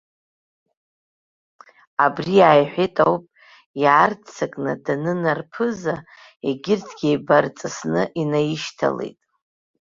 Абри ааиҳәеит ауп, иаарццакны данынараԥыза, егьырҭгьы еибарҵысны инаишьҭалеит.